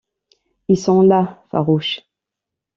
Ils sont là, farouches.